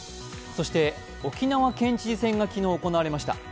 そして沖縄県知事選が昨日行われました。